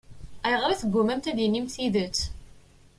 Ayɣer i teggummamt ad d-tinimt tidet?